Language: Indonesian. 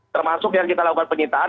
termasuk yang kita lakukan penyitaan